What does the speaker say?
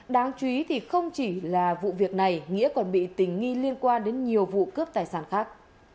đáng chú ý thì không chỉ là vụ việc này nghĩa còn bị tình nghi liên quan đến nhiều vụ cướp tài sản khác